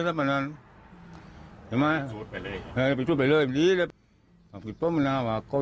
จะทำอย่างไรให้พิสูจน์ว่าได้จริงได้ละคะคุณพ่อ